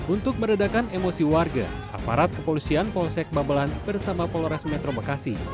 untuk meredakan emosi warga aparat kepolisian polsek babelan bersama polres metro bekasi